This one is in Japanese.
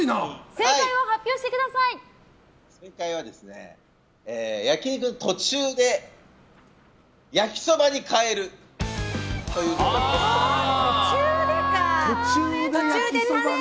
正解は、焼き肉の途中で焼きそばに変えるということで。